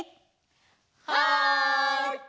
はい！